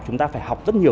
chúng ta phải học rất nhiều